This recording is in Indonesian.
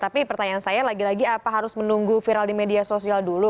tapi pertanyaan saya lagi lagi apa harus menunggu viral di media sosial dulu